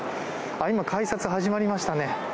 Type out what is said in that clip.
今、改札始まりましたね。